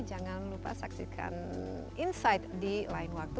jangan lupa saksikan insight di lain waktu